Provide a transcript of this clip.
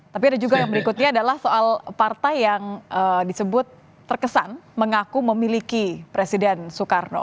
tapi ada juga yang berikutnya adalah soal partai yang disebut terkesan mengaku memiliki presiden soekarno